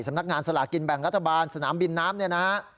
สำนักงานสลากินแบ่งรัฐบาลสนามบินน้ำเนี่ยนะฮะ